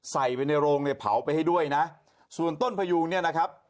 ใส่ไปในโรงเนี่ยเผาไปให้ด้วยนะส่วนต้นพยูงเนี่ยนะครับ